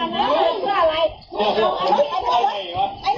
เล็ก